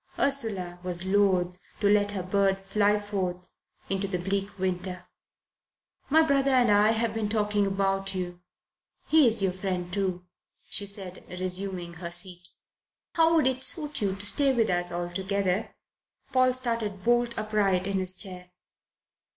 Ursula was loath to let her bird fly forth into the bleak winter. "My brother and I have been talking about you he is your friend, too," she said, resuming her seat. "How would it suit you to stay with us altogether?" Paul started bolt upright in his chair.